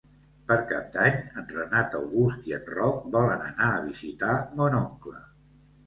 Per Cap d'Any en Renat August i en Roc volen anar a visitar mon oncle.